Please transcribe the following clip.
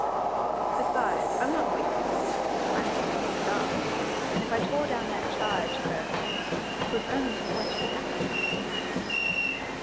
Besides, I'm not wasting myself, I'm getting a start; and if I tore down that charge, Hercle! 'twas only to whet my appetite."